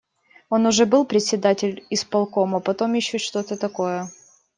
Он уже был председатель исполкома, потом ещё что-то такое.